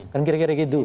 kan kira kira gitu